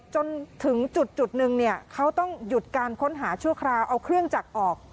จนถึงจุดนึงเนี่ยเขาต้องหยุดการค้นหาชั่วคราวเอาเครื่องจักรออก